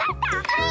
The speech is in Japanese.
はい！